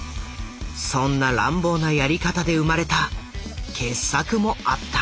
そんな乱暴なやり方で生まれた傑作もあった。